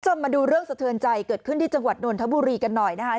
มาดูเรื่องสะเทือนใจเกิดขึ้นที่จังหวัดนนทบุรีกันหน่อยนะคะ